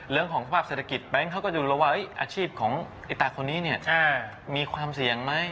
เรื่องของสภาพเศรษฐกิจแบงค์เขาก็จะรู้ว่าอาชีพของไอ้ตาคนนี้เนี่ยมีความเสี่ยงไหม